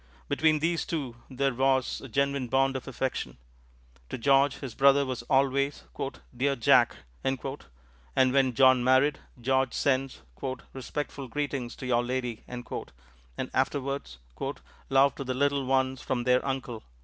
Between these two there was a genuine bond of affection. To George this brother was always, "Dear Jack," and when John married, George sends "respectful greetings to your Lady," and afterwards "love to the little ones from their Uncle."